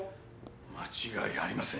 間違いありません。